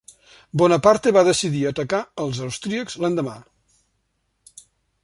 Bonaparte va decidir atacar els austríacs l'endemà.